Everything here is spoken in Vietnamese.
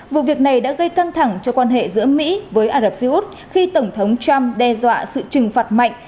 vụ việc này đã gây căng thẳng cho quan hệ giữa mỹ với ả rập xê út khi tổng thống trump đe dọa sự trừng phạt mạnh